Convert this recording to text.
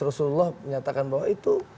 rasulullah menyatakan bahwa itu